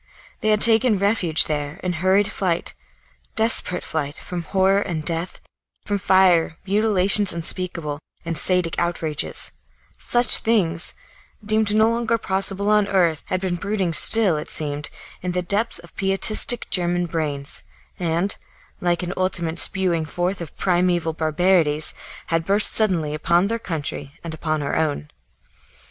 They had taken refuge there in hurried flight, desperate flight from horror and death, from fire, mutilations unspeakable and Sadic outrages such things, deemed no longer possible on earth, had been brooding still, it seemed, in the depths of pietistic German brains, and, like an ultimate spewing forth of primeval barbarities, had burst suddenly upon their country and upon our own.